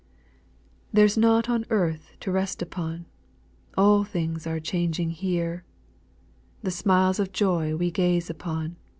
6. There 's nought on earth to rest upon. All things are changing here. The smiles of joy we gaze upon.